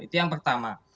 itu yang pertama